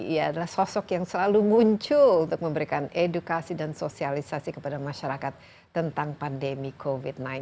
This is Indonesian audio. ia adalah sosok yang selalu muncul untuk memberikan edukasi dan sosialisasi kepada masyarakat tentang pandemi covid sembilan belas